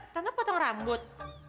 tanda potong rambut